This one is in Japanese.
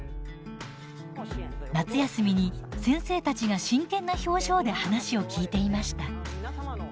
夏休みに先生たちが真剣な表情で話を聞いていました。